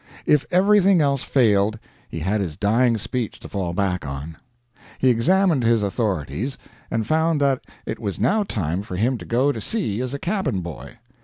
If everything else failed he had his dying speech to fall back on. He examined his authorities, and found that it was now time for him to go to sea as a cabin boy.